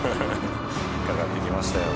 引っかかってきましたよ。